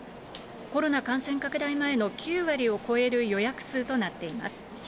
コロナ感染拡大前の９割を超える予約数となっています。